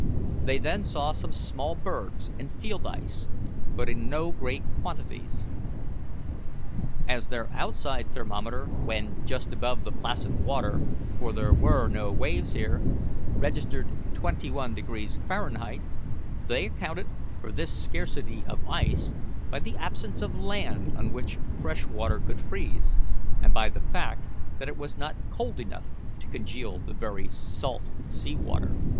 They then saw some small bergs and field ice, but in no great quantities. As their outside thermometer, when just above the placid water for there were no waves here registered twenty one degrees Fahrenheit, they accounted for this scarcity of ice by the absence of land on which fresh water could freeze, and by the fact that it was not cold enough to congeal the very salt sea water.